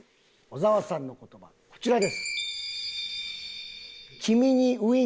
小沢さんの言葉はこちらです。